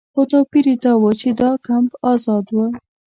خو توپیر یې دا و چې دا کمپ آزاد و.